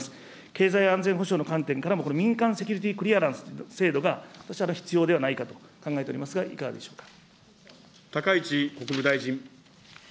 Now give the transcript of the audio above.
経済安全保障の観点からも、民間セキュリティ・クリアランス制度が、私は必要ではないかと考えておりますが、いかがでしょうか。